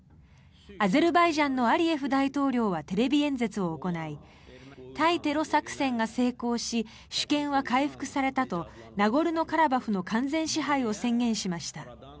アゼルバイジャンのアリエフ大統領はテレビ演説を行い対テロ作戦が成功し主権は回復されたとナゴルノカラバフの完全支配を宣言しました。